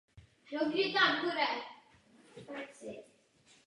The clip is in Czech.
Proto vás ještě jednou žádám, abyste zazvonil.